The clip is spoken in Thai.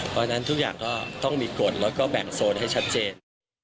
เพราะฉะนั้นทุกอย่างก็ต้องมีกฎแล้วก็แบ่งโซนให้ชัดเจน